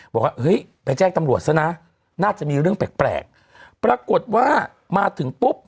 บอกว่าเฮ้ยไปแจ้งตำรวจซะนะน่าจะมีเรื่องแปลกแปลกปรากฏว่ามาถึงปุ๊บ